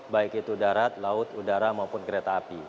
baik itu darat laut udara maupun kereta api